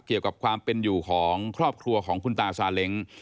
เกี่ยวกับความเป็นอยู่ของครอบครัวของคุณตาซาเล้ง